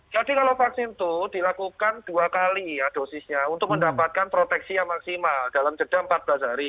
jadi kalau vaksin tuh dilakukan dua kali ya dosisnya untuk mendapatkan proteksi yang maksimal dalam jadwal empat belas hari